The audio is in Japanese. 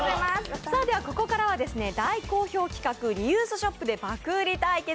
ここからは大好評企画、リユースショップで爆売り対決！